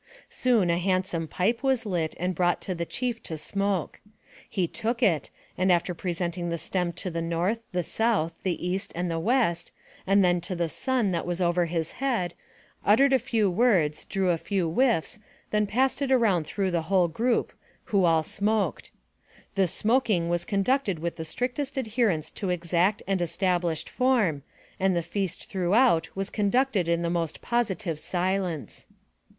Soon a handsome pipe was lit and brought to tl e chief to smoke. He took it, and after presenting the stem to the north, the south, the east, and the west, and then to the sun that was over his head, uttered a AMONG THE SIOUX INDIANS. 89 few words, drew a few whiffs, then passed it around through the whole group, who all smoked. This smok ing was conducted with the strictest adherence to exact and established form, and the feast throughout was con ducted in the most positive silence.